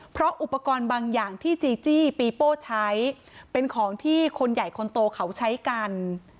เพราะอุปกรณ์บางอย่างที่จีจี้ปีโป้ใช้เป็นของที่คนใหญ่คนโตเขาใช้กัน